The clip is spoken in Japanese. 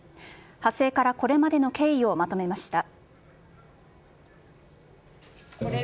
発生からこれまでの経緯をまとめました。